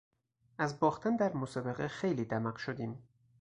از باختن در مسابقه خیلی دمق شدیم.